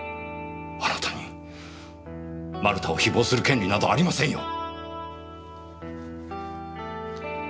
あなたに丸田を誹謗する権利などありませんよ！